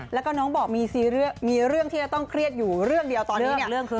แล้วก็น้องบอกมีเรื่องที่จะต้องเครียดอยู่เรื่องเดียวตอนนี้เนี่ย